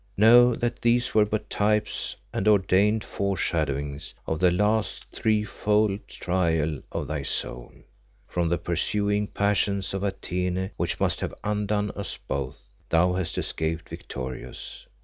Know that these were but types and ordained foreshadowings of the last threefold trial of thy soul. From the pursuing passions of Atene which must have undone us both, thou hast escaped victorious.